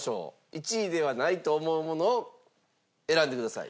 １位ではないと思うものを選んでください。